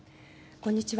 こんにちは。